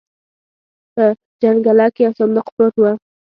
په جنګله کې يو صندوق پروت و.